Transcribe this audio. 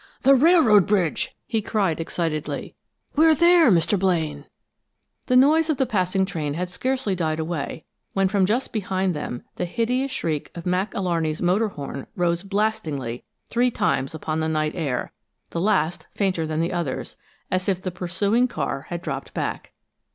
"The railroad bridge!" he cried, excitedly. "We're there, Mr. Blaine!" The noise of the passing train had scarcely died away, when from just behind them the hideous shriek of Mac Alarney's motor horn rose blastingly three times upon the night air, the last fainter than the others, as if the pursuing car had dropped back.